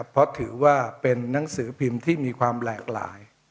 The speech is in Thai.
เพราะถือว่าเป็นนังสือพิมพ์ที่มีความหลากหลาย